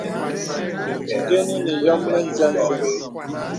Gəni nə̀ yɔ̄m mə̄zɛ̄ zeŋ.